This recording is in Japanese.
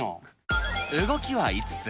動きは５つ。